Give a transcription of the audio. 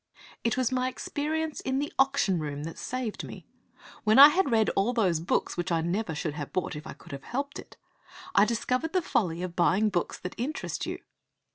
V It was my experience in the auction room that saved me. When I had read all these books which I should never have bought if I could have helped it, I discovered the folly of buying books that interest you.